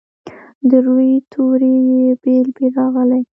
د روي توري یې بیل بیل راغلي.